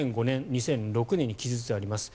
これは２００５年、２００６年に記述があります。